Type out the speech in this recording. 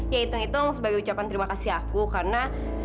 ya hitung hitung sebagai ucapan terima kasih aku karena